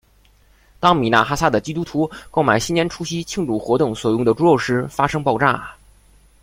当米纳哈萨的基督徒购买新年除夕庆祝活动所用的猪肉时发生爆炸。